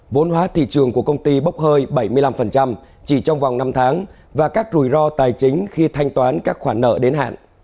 vốn hóa thị trường của công ty bốc hơi bảy mươi năm chỉ trong vòng năm tháng và các rủi ro tài chính khi thanh toán các khoản nợ đến hạn